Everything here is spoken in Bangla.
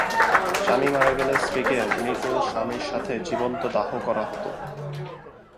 স্বামী মারা গেলে স্ত্রীকে মৃত স্বামীর সঙ্গে জীবন্ত দাহ করা হত।